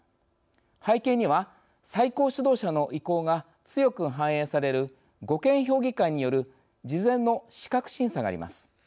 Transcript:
背景には最高指導者の意向が強く反映される護憲評議会による事前の資格審査があります。